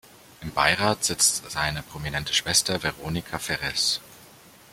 Im Beirat sitzt seine prominente Schwester Veronica Ferres.